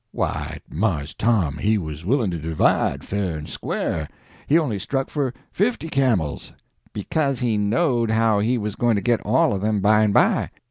"Why, Mars Tom, he was willin' to divide, fair and square; he only struck for fifty camels." "Because he knowed how he was going to get all of them by and by."